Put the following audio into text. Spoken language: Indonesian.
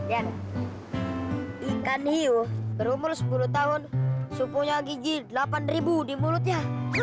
yang ikan hiu berumur sepuluh tahun supunya gizi delapan ribu di mulutnya